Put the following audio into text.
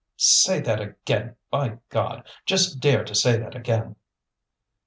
"Say that again, by God! Just dare to say that again!"